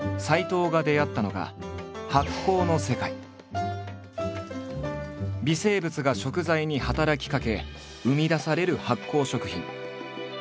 藤が出会ったのが微生物が食材に働きかけ生み出される発酵食品。